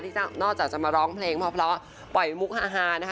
นอกจากจะมาร้องเพลงเพราะปล่อยมุกฮานะคะ